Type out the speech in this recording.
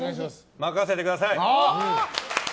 任せてください！